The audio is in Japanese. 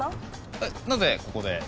えっなぜここで？